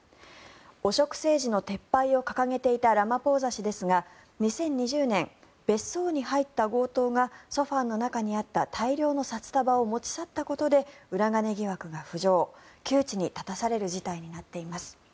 汚職政治の撤廃を掲げていたラマポーザ氏ですが２０２０年、別荘に入った強盗がソファの中にあった大量の札束を持ち去ったことで裏金疑惑が浮上窮地に立たされる事態になっています。